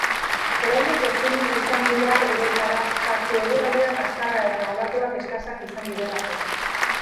Oraindik ezin izan dira uretara sartu eguraldia kaskarra eta olatuak eskasak izan direlako.